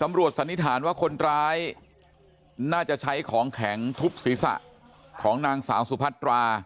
สันนิษฐานว่าคนร้ายน่าจะใช้ของแข็งทุบศีรษะของนางสาวสุพัตรา